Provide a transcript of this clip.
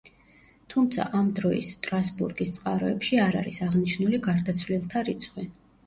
თუმცა, ამ დროის სტრასბურგის წყაროებში არ არის აღნიშნული გარდაცვლილთა რიცხვი.